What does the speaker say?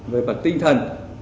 về mặt tinh thần